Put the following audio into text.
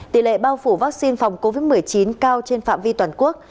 tỷ lệ bao phủ vaccine phòng covid một mươi chín cao trên phạm vi toàn quốc